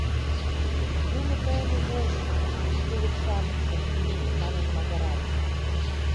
Юмо тыйым ужеш... тулык-шамычым...» манын магырат.